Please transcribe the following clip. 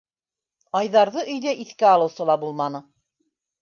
Айҙарҙы өйҙә иҫкә алыусы ла булманы.